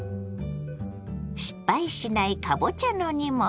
失敗しないかぼちゃの煮物。